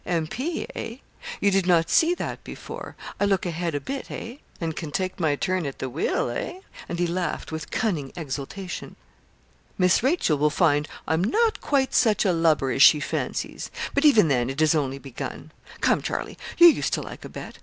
'M.P. eh? You did not see that before. I look a head a bit, eh? and can take my turn at the wheel eh?' And he laughed with cunning exultation. 'Miss Rachel will find I'm not quite such a lubber as she fancies. But even then it is only begun. Come, Charlie, you used to like a bet.